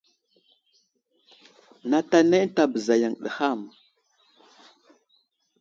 Nat anay ənta bəza yaŋ ham.